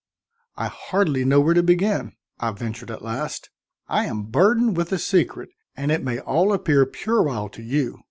"I hardly know where to begin," I ventured at last. "I am burdened with a secret, and it may all appear puerile to you.